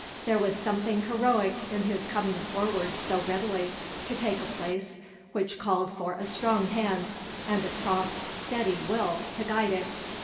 There was something heroic in his coming forward so readily to take a place which called for a strong hand, and a prompt, steady will to guide it.